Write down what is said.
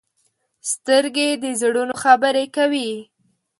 سترګې د زړونو خبرې کوي